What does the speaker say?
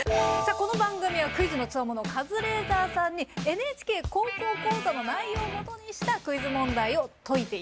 この番組はクイズの強者カズレーザーさんに「ＮＨＫ高校講座」の内容をもとにしたクイズ問題を解いていただこうという。